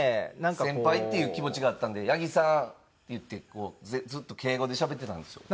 先輩っていう気持ちがあったんで「八木さん」って言ってずっと敬語でしゃべってたんですよ。